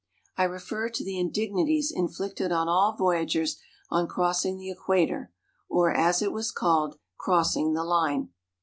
I refer to the indignities in flicted on all voyagers on crossing the equator or, as it was called, '' crossing the line."